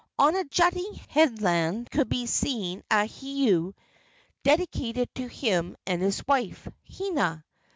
On a jutting headland could be seen a heiau dedicated to him and his wife, Hina.